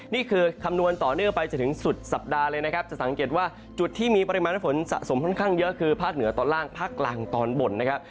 นี่คือคำนวณต่อเนื่องไปจนถึงสุดสัปดาห์เลยนะครับจะสังเกตว่าจุดที่มีปริมาณฝนสะสมค่อนข้างเยอะคือภาคเหนือตอนล่างภาคกลางตอนบนนะครับ